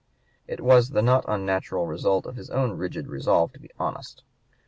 It was the not unnatural result of his own rigid resolve to be honest.